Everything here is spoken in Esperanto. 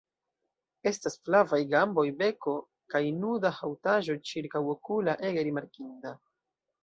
Estas flavaj gamboj, beko kaj nuda haŭtaĵo ĉirkaŭokula ege rimarkinda.